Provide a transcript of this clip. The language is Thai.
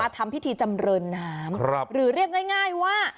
อ๋อมาทำพิธีจำเรินน้ำครับหรือเรียกง่ายง่ายว่า